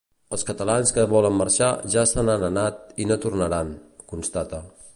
Els catalans que volen marxar ja se n’han anat i no tornaran, constata.